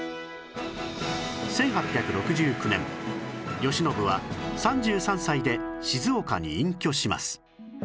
１８６９年慶喜は３３歳で静岡に隠居します